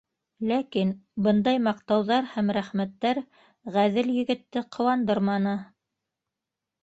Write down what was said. Ләкин бындай маҡтауҙар һәм рәхмәттәр «ғәҙел егетте» ҡыуандырманы.